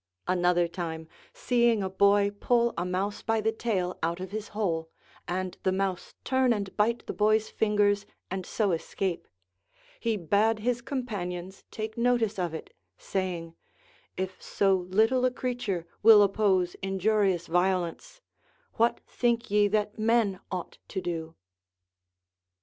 An other time seeing a boy pull a mouse by the tail out of his hole, and the mouse turn and bite the boy's fingers and so escape ; he bade his companions take notice of it, saying, If so little a creature will oppose injurious violence, what think ye that men ought to do